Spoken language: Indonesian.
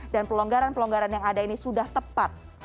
dan pelonggaran pelonggaran yang ada ini sudah tepat